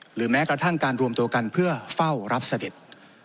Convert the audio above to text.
แม้กระทั่งการรวมตัวกันเพื่อเฝ้ารับเสด็จ